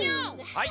はい。